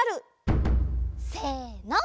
せの！